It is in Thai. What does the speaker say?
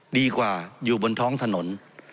ดีกว่าอยู่บนท้องถนน